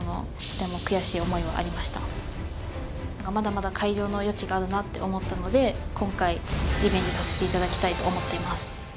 はい担当の中里さんはって思ったので今回リベンジさせていただきたいと思っています